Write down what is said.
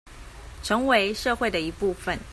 成為社會的一部分